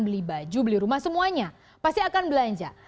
beli baju beli rumah semuanya pasti akan belanja